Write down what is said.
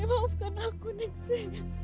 maafkan aku ning si